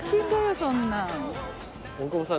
そんなん。